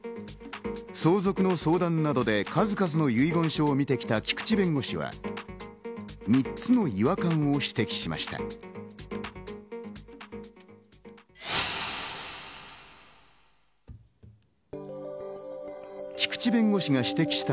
相続の相談などで数々の遺言書を見てきた菊地弁護士は、３つの違和感を指摘しました。